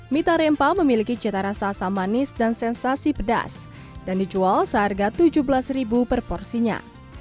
mie tarempa memiliki cita rasa asam manis dan sensasi pedas dan dijual seharga rp tujuh belas per porsinya